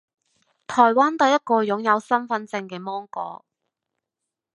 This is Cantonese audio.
台灣第一個擁有身分證嘅芒果